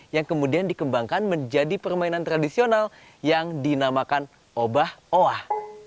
yang kemudian dikembangkan menjadi permainan tradisional yang dinamakan obah oah